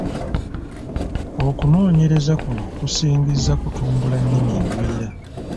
Okunoonyereza kuno kusingizza kutumbula nnimi ngwira.